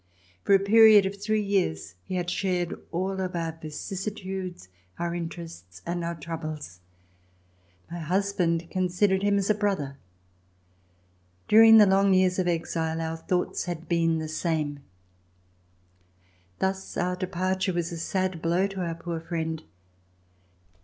For a period of three years, he had shared all of our vicissitudes, our interests and our troubles. My husband considered him as a brother. During the long years of exile, C256] VISIT TO PARIS our thoughts had been the same. Thus our departure was a sad blow to our poor friend.